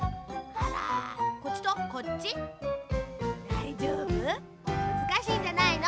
だいじょうぶ？むずかしいんじゃないの？